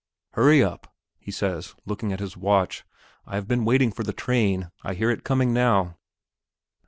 "Hurry up," he says, looking at his watch. "I have been waiting for the train; I hear it coming now."